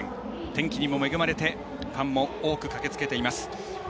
天気にも恵まれてファンも多く駆けつけています。